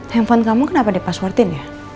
handphone kamu kenapa di password in ya